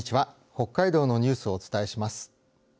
北海道のニュースをお伝えします。